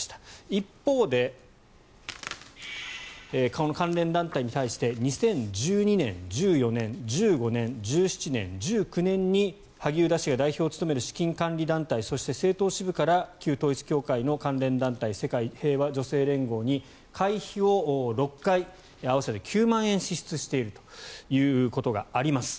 一方でこの関連団体に対して２０１２年、１４年、１５年１７年、１９年に萩生田氏が代表を務める資金管理団体そして政党支部から旧統一教会の関連団体世界平和女性連合に会費を６回合わせて９万円支出しているということがあります。